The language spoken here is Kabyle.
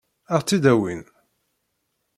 Ad ɣ-tt-id-awin?